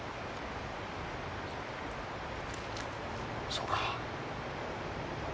そうか。